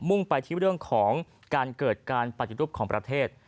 ่งไปที่เรื่องของการเกิดการปฏิรูปของประเทศ